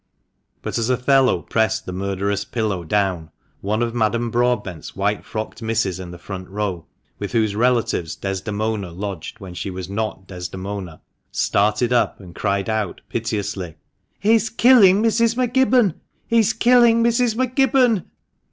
But, as Othello pressed the murderous pillow down, one of Madame Broadbent's white frocked misses in the front row, with whose relatives Desdemona lodged when she was not Desdemona, started up, and cried out piteously — "He's killing Mrs. M'Gibbon ! He's killing Mrs. M'Gibbon